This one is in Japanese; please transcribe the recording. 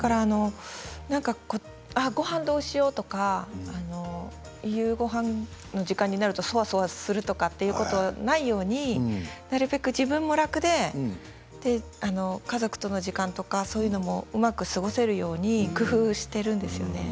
ごはんどうしようとか夕ごはんの時間になるとそわそわするということがないようになるべく自分も楽で家族との時間とかそういうのもうまく過ごせるように工夫しているんですよね。